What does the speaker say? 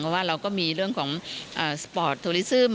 เพราะว่าเราก็มีเรื่องของสปอร์ตโทรลิซึม